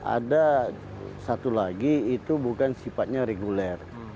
ada satu lagi itu bukan sifatnya reguler